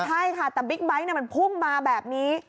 ใช่ค่ะแต่บิ๊กไบท์มันพุ่งมาแบบนี้